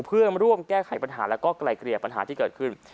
เพื่อร่วมแก้ไขปัญหาแล้วก็ไกลเกลี่ยปัญหาที่เกิดขึ้น